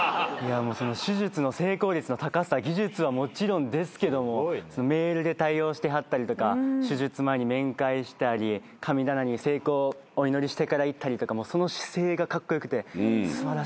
手術の成功率の高さ技術はもちろんですけどもメールで対応してはったりとか手術前に面会したり神棚に成功をお祈りしてから行ったりとかその姿勢がカッコ良くて素晴らしかったですね。